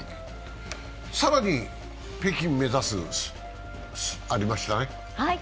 更に北京目指す、ありましたね。